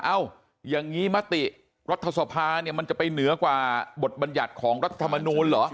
เอ้าอย่างนี้มติรัฐสภาเนี่ยมันจะไปเหนือกว่าบทบัญญัติของรัฐธรรมนูลเหรอ